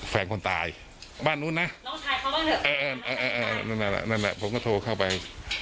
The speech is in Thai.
แฝงคนตายบ้านนู้น้ำนั่นเลยผมก็โทรเข้าไป